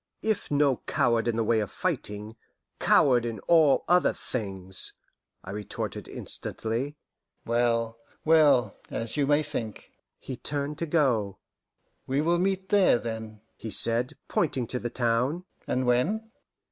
"If no coward in the way of fighting, coward in all other things," I retorted instantly. "Well, well, as you may think." He turned to go. "We will meet there, then?" he said, pointing to the town. "And when?"